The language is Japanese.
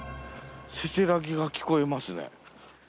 せせらぎが聞こえますね。